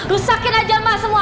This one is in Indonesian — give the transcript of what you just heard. rusakin aja mbak semua